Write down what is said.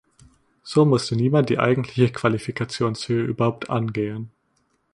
So musste niemand die eigentliche Qualifikationshöhe überhaupt angehen.